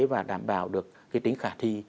và đảm bảo được cái tính khả thi